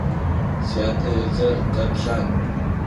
Сятэ ыцэр Къэплъан?